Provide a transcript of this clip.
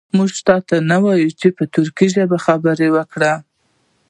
موږ ته نه وایي چې په ترکي ژبه یې خبرې کړي.